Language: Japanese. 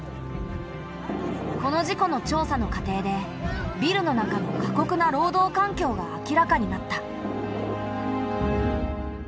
この事故の調査の過程でビルの中の過酷な労働環境が明らかになった。